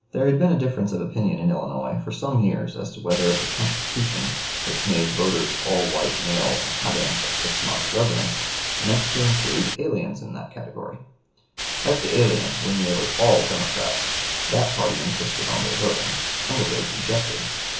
There had been a difference of opinion in Illinois for some years as to whether the Constitution, which made voters of all white male inhabitants of six months' residence, meant to include aliens in that category. As the aliens were nearly all Democrats, that party insisted on their voting, and the Whigs objected.